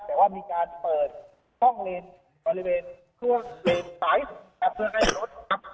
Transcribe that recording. แต่ว่ามีการเปิดห้องเลนบริเวณทั่วเลนซ้ายสุดครับเพื่อให้รถครับ